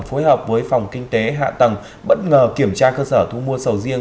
phối hợp với phòng kinh tế hạ tầng bất ngờ kiểm tra cơ sở thu mua sầu riêng